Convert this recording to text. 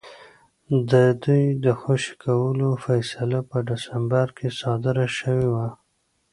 د دوی د خوشي کولو فیصله په ډسمبر کې صادره شوې وه.